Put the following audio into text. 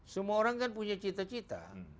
semua orang kan punya cita cita